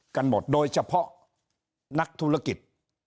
กันหมดโดยเฉพาะนักธุรกิจ